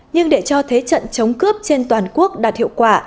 nhưng để cho thế trận chống cướp trên toàn quốc đạt hiệu quả